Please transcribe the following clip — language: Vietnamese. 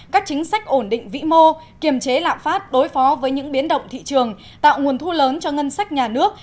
các chính sách ổn định vĩ mô kiềm chế lạm phát đối phó với những biến động thị trường tạo nguồn thu lớn cho ngân sách nhà nước